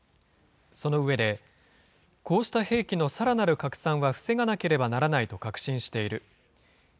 その上で、こうした兵器のさらなる拡散は防がなければならないと確信している。